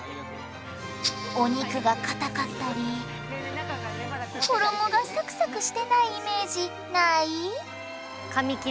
お肉が硬かったり衣がサクサクしてないイメージない？